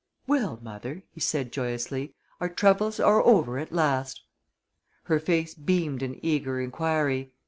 "Well, mother," he said, joyously, "our troubles are over at last." Her face beamed an eager inquiry.